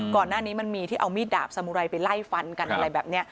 ก่อนหน้านี้มันมีที่เอามีดดาบสมุไรไปไล่ฟันกันอะไรแบบนี้